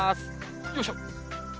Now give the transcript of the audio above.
よいしょ。